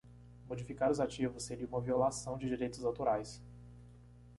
Modificar os ativos seria uma violação de direitos autorais.